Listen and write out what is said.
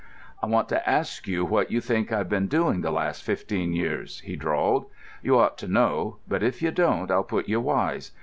"I want to ask you what you think I've been doing the last fifteen years," he drawled. "You ought to know, but if you don't, I'll put you wise.